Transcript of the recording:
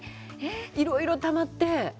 いろいろたまって。